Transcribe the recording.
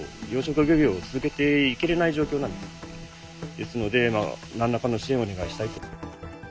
ですのでなんらかの支えんをお願いしたいと。